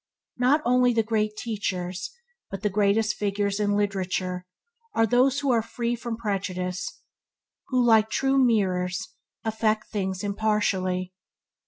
Not only the Great Teachers, but the greatest figures in literature, are those who are free from prejudice, who, like true mirrors, effect things impartially.